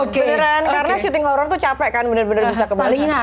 keren karena syuting horror tuh capek kan bener bener bisa sekalian